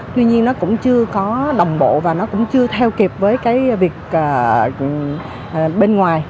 tuy nhiên nó cũng chưa có đồng bộ và nó cũng chưa theo kịp với cái việc bên ngoài